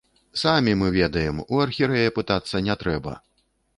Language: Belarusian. Самі мы ведаем, у архірэя пытацца не трэба.